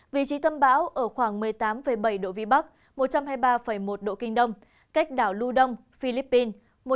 vị trí tâm báo ở khoảng một mươi tám bảy độ vn một trăm hai mươi ba một độ k cách đảo lưu đông philippines